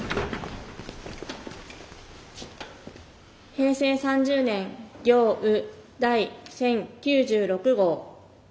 平成３０年行ウ第１０９６号。